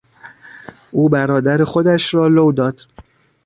او برادر خودش را لو داد.